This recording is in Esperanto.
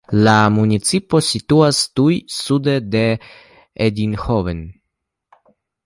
La municipo situas tuj sude de Eindhoven.